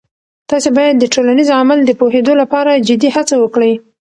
تاسې باید د ټولنیز عمل د پوهیدو لپاره جدي هڅه وکړئ.